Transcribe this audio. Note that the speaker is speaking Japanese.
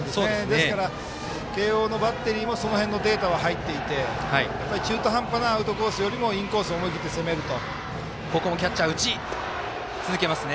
ですから、慶応のバッテリーもその辺のデータは入っていて中途半端なアウトコースよりもインコースを攻めると。